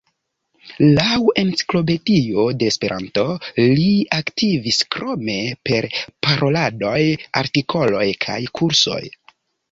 Laŭ "Enciklopedio de Esperanto", li aktivis krome per paroladoj, artikoloj kaj kursoj.